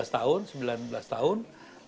lima belas tahun sembilan belas tahun